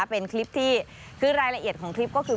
เป็นคลิปที่คือรายละเอียดของคลิปก็คือ